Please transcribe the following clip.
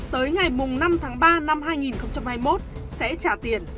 tới ngày năm tháng ba năm hai nghìn hai mươi một sẽ trả tiền